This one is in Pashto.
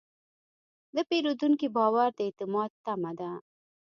د پیرودونکي باور د اعتماد تمه ده.